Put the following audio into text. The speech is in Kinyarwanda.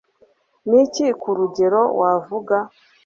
niki, kurugero, wavuga